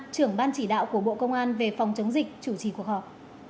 trưởng ban chỉ đạo của bộ công an về phòng chống dịch chủ trì cuộc họp